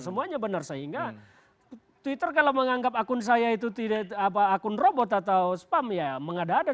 semuanya benar sehingga twitter kalau menganggap akun saya itu tidak apa akun robot atau spam ya mengada ada